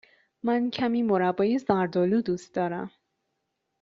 من کمی مربای زرد آلو دوست دارم.